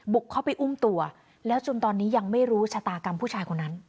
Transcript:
เข้าไปอุ้มตัวแล้วจนตอนนี้ยังไม่รู้ชะตากรรมผู้ชายคนนั้น